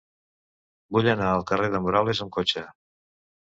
Vull anar al carrer de Morales amb cotxe.